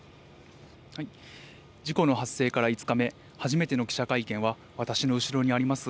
事故の発生から５日目、初めての記者会見は、私の後ろにあります